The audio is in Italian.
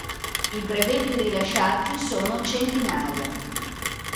I brevetti rilasciati sono centinaia.